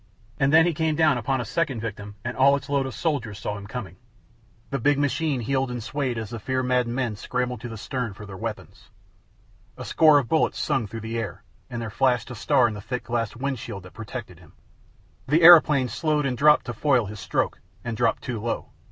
And then he came down upon a second victim and all its load of soldiers saw him coming. The big machine heeled and swayed as the fear maddened men scrambled to the stern for their weapons. A score of bullets sung through the air, and there flashed a star in the thick glass wind screen that protected him. The aeroplane slowed and dropped to foil his stroke, and dropped too low.